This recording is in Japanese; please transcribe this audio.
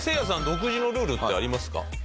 独自のルールってありますか？